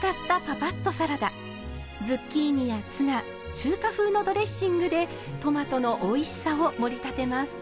ズッキーニやツナ中華風のドレッシングでトマトのおいしさをもり立てます。